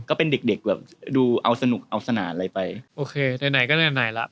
ก็เป็นเด็กเด็กแบบดูเอาสนุกเอาสนานอะไรไปโอเคไหนก็นานแล้ว